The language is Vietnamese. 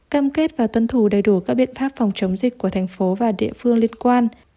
cam kết và tuân thủ đầy đủ các biện pháp phòng chống dịch của thành phố và địa phương liên quan